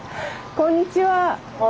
こんにちは。